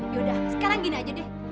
yaudah sekarang gini aja deh